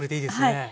はい。